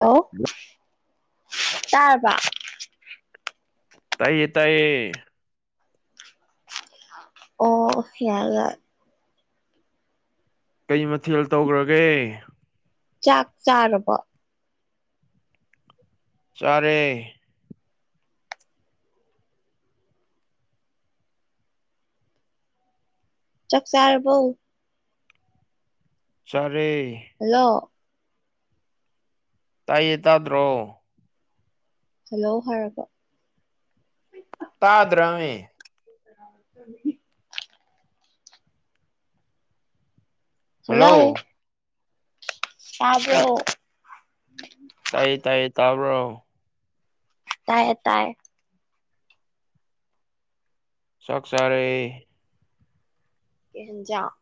ꯑꯣ ꯍꯜꯂꯣ ꯇꯥꯔꯕ ꯇꯥꯏꯌꯦ ꯇꯥꯏꯌꯦ ꯑꯣ ꯌꯥ ꯂꯥꯠ ꯀꯩ ꯃꯊꯦꯜ ꯇꯧꯒ꯭ꯔꯒꯦ ꯆꯥꯛ ꯆꯥꯔꯕꯣ ꯆꯥꯔꯦ ꯆꯥꯛ ꯆꯥꯔꯕꯣ ꯆꯥꯔꯦ ꯍꯜꯂꯣ꯫ ꯇꯥꯏꯌꯦ ꯇꯥꯗ꯭ꯔꯣ꯫ ꯍꯜꯂꯣ ꯍꯥꯏꯔꯒ꯫ ꯇꯥꯗ꯭ꯔꯃꯤ꯫ [inaudible] ꯍꯜꯂꯣ ꯇꯥꯕ꯭ꯔꯣ꯫ ꯇꯥꯏꯌꯦ ꯇꯥꯏꯌꯦ ꯇꯥꯕ꯭ꯔꯣ꯫ ꯇꯥꯏꯌꯦ ꯇꯥꯔꯦ ꯆꯥꯛ ꯆꯥꯔꯦ ꯀꯩ ꯍꯦꯟꯖꯥꯡ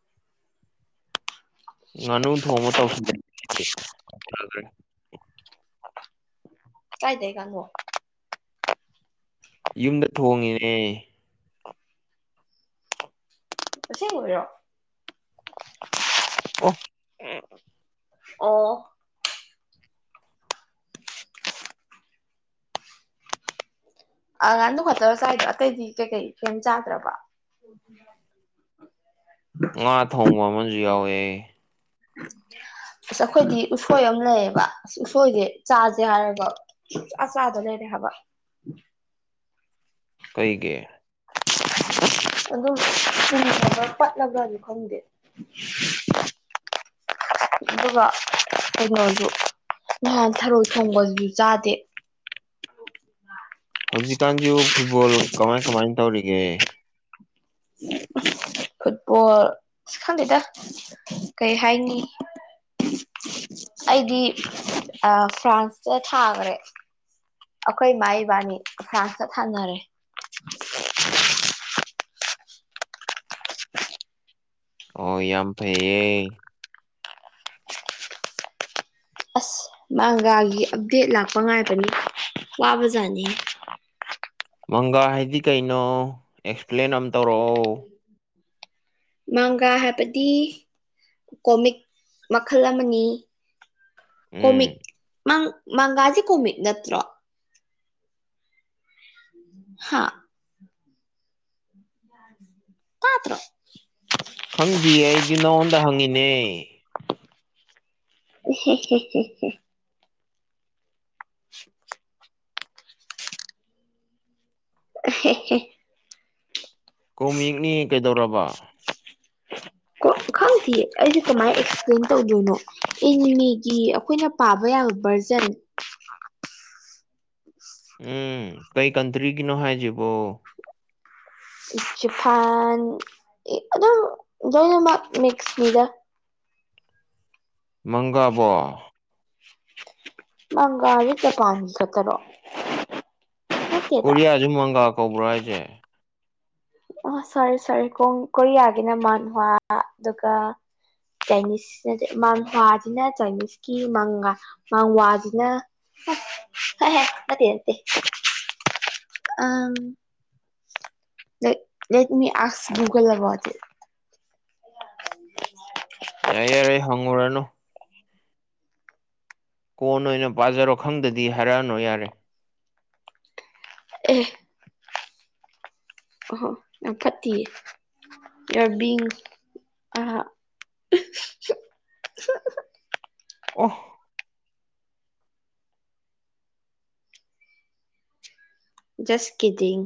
ꯉꯥꯅꯨ ꯊꯣꯡꯕ ꯇꯧꯁꯜꯂꯦ [unintelligible] ꯀꯥꯢꯗꯩ ꯉꯥꯅꯨ ꯌꯨꯝꯗ ꯊꯣꯡꯉꯤꯅꯦ ꯑꯁꯦꯡ ꯕꯩꯔꯣ ꯑꯣ꯫ ꯑꯣ꯫ ꯑ ꯉꯥꯡꯗꯨꯈꯠꯇꯔꯣ ꯆꯥꯏꯗꯣ ꯑꯇꯩꯗꯤ ꯀꯩꯀꯩ ꯀꯩꯃ ꯆꯥꯗ꯭ꯔꯕꯣ꯫ [inaudible] ꯉꯥ ꯊꯣꯡꯕ ꯑꯃꯁꯨ ꯌꯥꯎꯋꯦꯍꯦ꯫ ꯑꯁ ꯑꯩꯈꯣꯏꯗꯤ ꯎꯁꯣꯏ ꯑꯃ ꯂꯩꯌꯦꯕ ꯑꯁ ꯎꯁꯣꯏꯁꯦ ꯆꯥꯁꯦ ꯍꯥꯏꯔꯒ꯫ ꯁꯨꯡꯆꯥ ꯆꯥꯥꯗ ꯂꯩꯔꯦ ꯍꯥꯏꯕ꯫ ꯀꯩꯒꯤ꯫ ꯑꯗꯨꯕꯨ ꯄꯨꯝꯃꯕꯥꯔ ꯄꯠꯂꯕꯔꯁꯨ ꯈꯪꯗꯦ꯫ ꯑꯗꯨꯒ ꯀꯩꯅꯣꯁꯨ ꯅꯍꯥꯟ ꯊꯔꯣꯏ ꯊꯣꯡꯕꯗꯨꯁꯨ ꯆꯥꯗꯦ꯫ ꯍꯧꯖꯤꯛꯀꯥꯟꯁꯤꯕꯨ ꯐꯨꯠꯕꯣꯜ ꯀꯃꯥꯏ ꯀꯃꯥꯏꯅ ꯇꯧꯔꯤꯒꯦ꯫ ꯐꯨꯠꯕꯣꯜ ꯈꯪꯗꯦꯗ꯫ ꯀꯩ ꯍꯥꯏꯅꯤ꯫ ꯑꯩꯗꯤ ꯐ꯭ꯔꯥꯟꯁꯇ ꯊꯥꯈ꯭ꯔꯦ꯫ ꯑꯩꯈꯣꯏ ꯏꯃꯥ ꯏꯕꯥꯅꯤ ꯐ꯭ꯔꯥꯟꯁꯇ ꯊꯥꯟꯅꯔꯦ꯫ ꯎꯝ꯫ [unintelligible] ꯑꯣ ꯌꯥꯝ ꯐꯩꯌꯦ꯫ ꯑꯁ ꯃꯪꯒꯥꯒꯤ ꯑꯞꯗꯦꯠ ꯂꯥꯛꯄ ꯉꯥꯏꯕꯅꯤ ꯋꯥꯕꯖꯥꯠꯅꯤꯍꯦ꯫ ꯃꯪꯒꯥ ꯍꯥꯏꯗꯤ ꯀꯩꯅꯣ ꯑꯦꯛꯁꯄ꯭ꯂꯦꯟ ꯑꯃ ꯇꯧꯔꯛꯑꯣ꯫ ꯃꯪꯒꯥ ꯍꯥꯏꯕꯗꯤ ꯀꯣꯃꯤꯛ ꯃꯈꯜ ꯑꯃꯅꯤ꯫ ꯎꯝ ꯀꯣꯃꯤꯛ ꯃꯪ ꯃꯪꯒꯥꯁꯤ ꯀꯣꯃꯤꯠ ꯅꯠꯇ꯭ꯔꯣ꯫ ꯍꯥꯥ꫰꫰ ꯇꯥꯗ꯭ꯔꯣ꯫ ꯈꯪꯗꯤꯌꯦ ꯑꯩꯗꯤ ꯅꯉꯣꯟꯗ꯫ ꯗ ꯍꯪꯉꯤꯅꯦ꫰꫰ [unintelligible] [unintelligible] ꯀꯣꯃꯤꯛꯅꯤ ꯀꯩꯗꯧꯔꯕ꯫ [inaudible] ꯈꯪꯗꯤꯌꯦ ꯑꯩꯁꯨ ꯀꯃꯥꯏꯅ ꯑꯦꯛꯁꯄ꯭ꯂꯦꯟ ꯇꯧꯗꯣꯏꯅꯣ ꯏꯟꯅꯤꯃꯤꯒꯤ ꯑꯩꯈꯣꯏꯅ ꯄꯥꯕ ꯌꯥꯕ ꯚꯔꯖꯟ꯫ ꯎꯝ ꯀꯩ ꯀꯟꯇ꯭ꯔꯤꯒꯤꯅꯣ ꯍꯥꯏꯁꯤꯕꯣ꯫ ꯆꯐꯥꯟ ꯑꯗꯨꯝ ꯂꯣꯏꯅꯃꯛ ꯃꯤꯛꯁ ꯃꯤꯗ ꯃꯪꯒꯕꯣ ꯕꯪꯒꯥꯂꯤ ꯖꯄꯥꯟ ꯆꯠꯇꯔꯣ ꯀꯣꯔꯤꯌꯥꯁꯨ ꯃꯪꯒꯥ ꯀꯧꯕ꯭ꯔꯣ ꯍꯥꯏꯁꯦ ꯑ ꯁꯥꯔꯤ ꯁꯥꯔꯤ ꯀꯣꯔꯤꯌꯥꯒꯤꯅ ꯃꯥꯟꯋꯥ ꯑꯗꯨꯒ ꯆꯥꯏꯅꯤꯁꯅ ꯃꯥꯡꯋꯥꯁꯤꯅ ꯆꯥꯏꯅꯤꯁꯀꯤ ꯃꯪ ꯃꯪꯋꯥꯁꯤꯅ ꯎ ꯍ ꯃ ꯑꯗꯤꯦ ꯑ ꯂ ꯂꯩ ꯃꯤ ꯑꯁ ꯨꯒꯜ ꯂ ꯣ ꯌꯥꯏꯔꯦ ꯌꯥꯔꯦ ꯍꯪꯉꯨꯔꯅꯨ ꯀꯣꯟ ꯑꯣꯏꯅ ꯄꯥꯖꯔꯣ ꯈꯪꯗꯗꯤ ꯍꯥꯏꯔꯛꯑꯅꯣ ꯌꯥꯔꯦ ꯑꯦ ꯑꯣꯍꯣ ꯌꯥꯝ ꯐꯠꯇꯤꯌꯦ꯫ [unintelligible] ꯑꯣ꯫ ꯖꯁ ꯀꯤꯗꯤꯡ꯫